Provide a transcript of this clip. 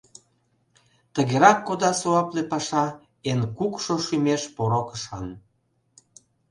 Тыгерак кода суапле паша Эн кукшо шӱмеш поро кышам.